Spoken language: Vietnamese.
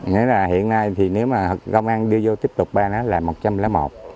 nghĩa là hiện nay thì nếu mà công an đưa vô tiếp tục ba nó là một trăm linh một